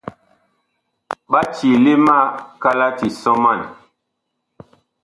Ɓa ciile ma kalati sɔman.